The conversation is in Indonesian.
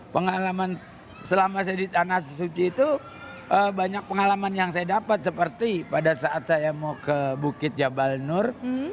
pengalaman selama saya di tanah suci itu banyak pengalaman yang saya dapat seperti pada saat saya mau ke bukit jabal nur